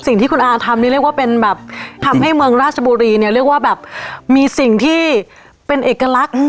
สิ่งที่คุณอาทำนี่เรียกว่าเป็นแบบทำให้เมืองราชบุรีเนี่ยเรียกว่าแบบมีสิ่งที่เป็นเอกลักษณ์